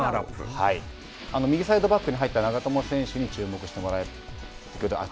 右サイドバックに入った長友選手に注目してください。